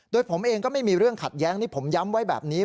โดยผมเองก็ไม่มีเรื่องขัดแย้งนี่ผมย้ำไว้แบบนี้